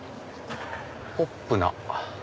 ポップな。